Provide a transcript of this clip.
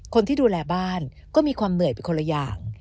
คนที่ดูแลบ้านก็มีความเหนื่อยไปคนละอย่าง